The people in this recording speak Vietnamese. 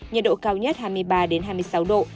nhiệt độ cao nhất hai mươi ba hai mươi sáu độ